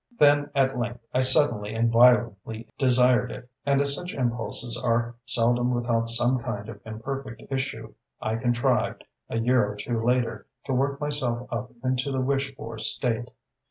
Then, at length, I suddenly and violently desired it; and as such impulses are seldom without some kind of imperfect issue I contrived, a year or two later, to work myself up into the wished for state....